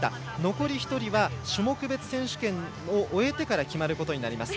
残り１人は種目別選手権を終えてから決まることになります。